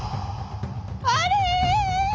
「あれ！」。